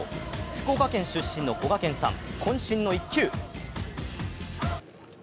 福岡県出身のこがけんさん、こん身の一球。